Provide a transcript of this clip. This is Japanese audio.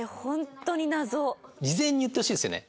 事前に言ってほしいですよね。